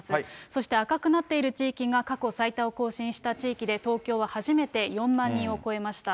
そして赤くなっている地域が、過去最多を更新した地域で、東京は初めて４万人を超えました。